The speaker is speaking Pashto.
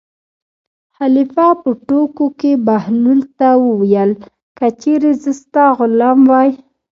خلیفه په ټوکو کې بهلول ته وویل: که چېرې زه ستا غلام وای.